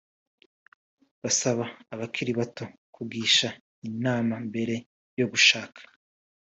bagasaba abakiri bato kugisha inama mbere yo gushaka